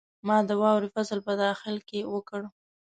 ما د واورې فصل په داخل کې وکړ.